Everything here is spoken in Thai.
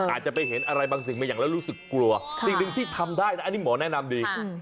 อาจจะไปเห็นอะไรบางสิ่งบางอย่างแล้วรู้สึกกลัวสิ่งหนึ่งที่ทำได้นะอันนี้หมอแนะนำดี